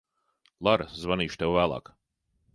Lara, zvanīšu tev vēlāk.